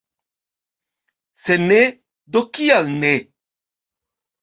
Se ne, do kial ne?